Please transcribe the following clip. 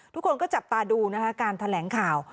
ทุกคนก็จับตาดูนะคะการแถลงข่าว